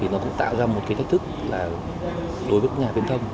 nó cũng tạo ra một thách thức đối với các nhà viễn thông